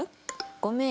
「ごめん